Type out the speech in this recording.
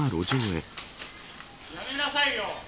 やめなさいよ。